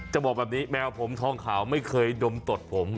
บอกแบบนี้แมวผมทองขาวไม่เคยดมตดผม